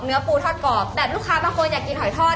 เนื้อปูทดกรอบแบบลูกค้าอยากกินหอยทอด